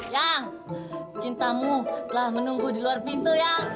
ya cintamu telah menunggu di luar pintu ya